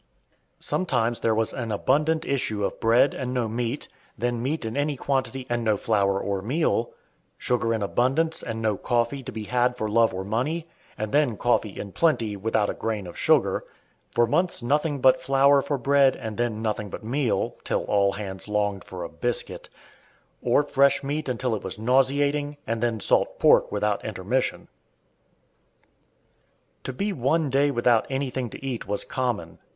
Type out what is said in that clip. Sometimes there was an abundant issue of bread, and no meat; then meat in any quantity, and no flour or meal; sugar in abundance, and no coffee to be had for "love or money;" and then coffee in plenty, without a grain of sugar; for months nothing but flour for bread, and then nothing but meal (till all hands longed for a biscuit); or fresh meat until it was nauseating, and then salt pork without intermission. [Illustration: THE COOK'S PREROGATIVES INVADED.] To be one day without anything to eat was common.